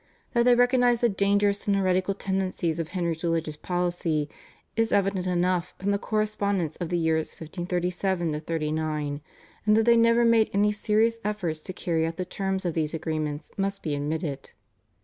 That they recognised the dangerous and heretical tendencies of Henry's religious policy is evident enough from the correspondence of the years 1537 39, and that they never made any serious efforts to carry out the terms of these agreements must be admitted.